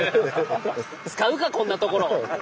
使うかこんなところ！